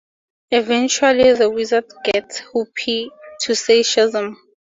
Eventually the Wizard gets Hoppy to say Shazam!